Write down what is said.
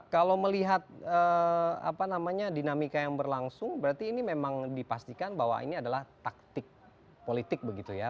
kalau melihat dinamika yang berlangsung berarti ini memang dipastikan bahwa ini adalah taktik politik begitu ya